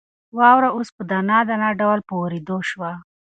واوره اوس په دانه دانه ډول په اورېدو شوه.